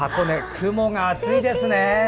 雲が厚いですね。